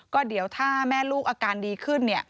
ก็เดี๋ยวถ้าแม่ลูกอาการดีขึ้น